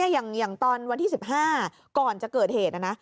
อย่างตอนวันที่๑๕ก่อนจะเกิดเหตุนะนะ